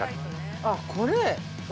◆ああ、これ？